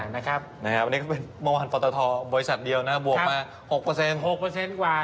นะครับอันนี้ก็เป็นเมื่อวานปรตทบริษัทเดียวนะบวกมา๖เปอร์เซ็นต์